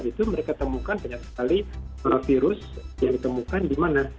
itu mereka temukan banyak sekali virus yang ditemukan di mana